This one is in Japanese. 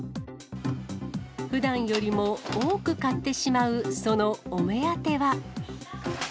ふだんよりも多く買ってしまうそのお目当ては。